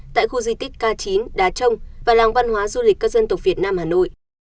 tại khu di tích k chín đá trông và làng văn hóa du lịch các dân tộc việt nam hà nội